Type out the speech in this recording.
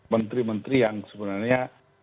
menteri menteri yang sebenarnya